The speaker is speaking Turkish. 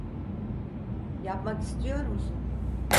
Yapmak istiyor musun?